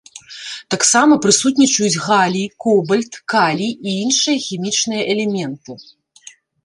Таксама прысутнічаюць галій, кобальт, калій і іншыя хімічныя элементы.